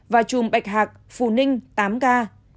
và chùm bạch hạc phù ninh tám ca